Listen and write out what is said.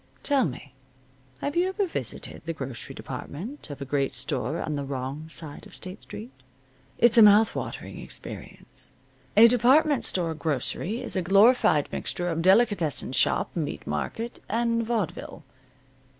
Tell me, have you ever visited the grocery department of a great store on the wrong side of State Street? It's a mouth watering experience. A department store grocery is a glorified mixture of delicatessen shop, meat market, and vaudeville.